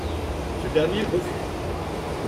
Ce dernier refuse.